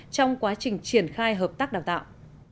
trong quá trình triển khai hợp tác đào tạo